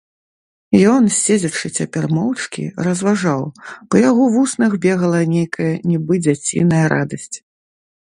Ён, седзячы цяпер моўчкі, разважаў, па яго вуснах бегала нейкая нібы дзяціная радасць.